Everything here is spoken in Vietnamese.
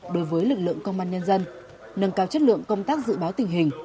đối với lực lượng công an nhân dân nâng cao chất lượng công tác dự báo tình hình